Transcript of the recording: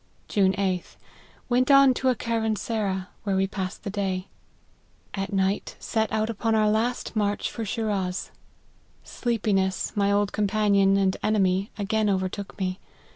" June 8th. Went on to a caravansera, where we passed the day. At night set out upon our last 142 LIFE OF HENRY MARTYN. march for Shiraz. Sleepiness, my old companion and enemy, again overtook me.